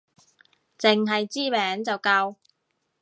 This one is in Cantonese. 淨係知名就夠